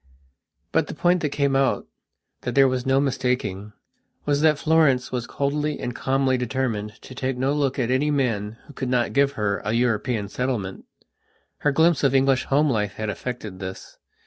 But the point that came outthat there was no mistakingwas that Florence was coldly and calmly determined to take no look at any man who could not give her a European settlement. Her glimpse of English home life had effected this.